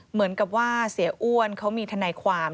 เหมือนกับว่าเสียอ้วนเขามีทนายความ